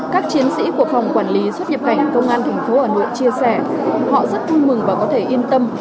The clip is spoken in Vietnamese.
các chiến sĩ của phòng quản lý xuất nhập cảnh công an tp hà nội chia sẻ họ rất vui mừng và có thể yên tâm